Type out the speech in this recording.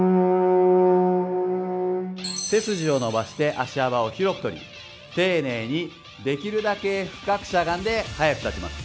背筋を伸ばして足幅を広くとり丁寧にできるだけ深くしゃがんで速く立ちます。